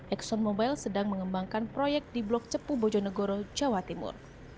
exxon mobile sedang mengembangkan proyek di blok cepu bojonegoro jawa timur